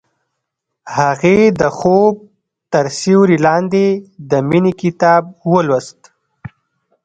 هغې د خوب تر سیوري لاندې د مینې کتاب ولوست.